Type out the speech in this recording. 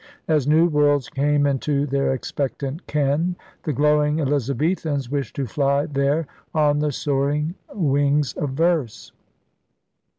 As new worlds came into their expectant ken, the glowing Elizabethans wished to fly there on the soaring wings of verse.